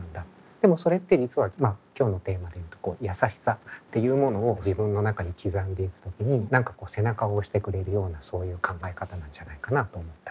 でもそれって実はまあ今日のテーマで言うと「やさしさ」っていうものを自分の中に刻んでいく時に何か背中を押してくれるようなそういう考え方なんじゃないかなと思ったり。